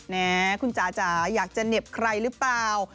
แม้คุณจ๋าจ๋าอยากจะเหน็บใครหรือเปล่า